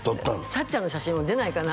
さっちゃんの写真も出ないかな？